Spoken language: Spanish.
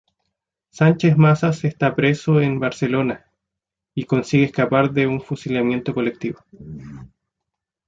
Sánchez Mazas está preso en Barcelona, y consigue escapar de un fusilamiento colectivo.